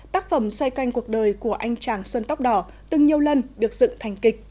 tác phẩm xoay canh cuộc đời của anh tràng xuân tóc đỏ từng nhiều lần được dựng thành kịch